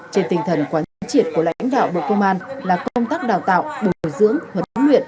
trên tinh thần quan trị của lãnh đạo bộ công an là công tác đào tạo bồi dưỡng huấn luyện